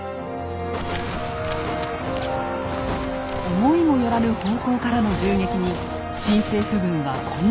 思いも寄らぬ方向からの銃撃に新政府軍は混乱します。